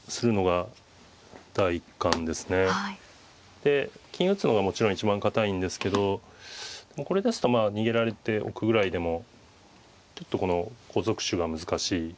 で金打つのがもちろん一番堅いんですけどでもこれですと逃げられておくぐらいでもちょっとこの後続手が難しい。